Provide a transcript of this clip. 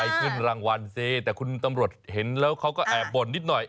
ขึ้นรางวัลสิแต่คุณตำรวจเห็นแล้วเขาก็แอบบ่นนิดหน่อย